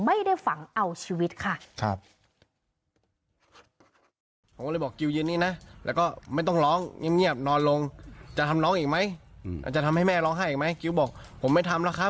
ไม่ได้ฝังเอาชีวิตค่ะ